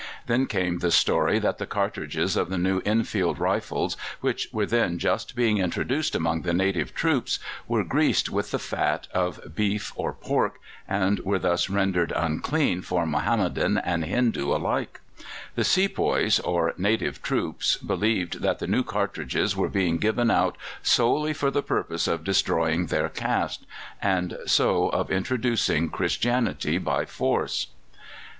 Then came the story that the cartridges of the new Enfield rifles, which were just then being introduced among the native troops, were greased with fat of beef or pork, and were thus rendered unclean for Mohammedan and Hindoo alike. The sepoys, or native troops, believed that the new cartridges were being given out solely for the purpose of destroying their caste, and so of introducing Christianity by force.